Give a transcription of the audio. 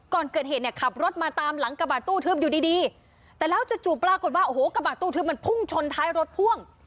ก่อนเกิดเหตุเนี่ยขับรถมาตามหลังกระบาดตู้ทึบอยู่ดีดีแต่แล้วจู่ปรากฏว่าโอ้โหกระบาดตู้ทึบมันพุ่งชนท้ายรถพ่วง